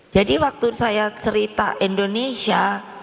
jadi waktu saya cerita indonesia